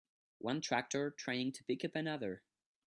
One tractor trying to pick up another